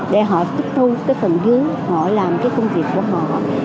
để họ tiếp thu cái tầng dưới họ làm cái công việc của họ